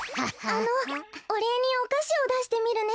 あのおれいにおかしをだしてみるね。